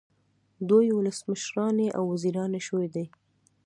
دوی ولسمشرانې او وزیرانې شوې دي.